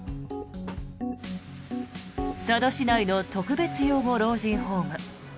佐渡市内の特別養護老人ホーム。